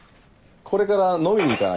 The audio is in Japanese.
これから飲みに行かない。